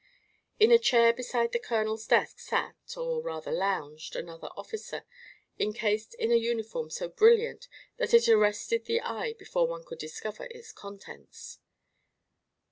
In a chair beside the colonel's desk sat, or rather lounged, another officer, encased in a uniform so brilliant that it arrested the eye before one could discover its contents.